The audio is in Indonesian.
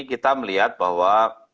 kita melihat bahwa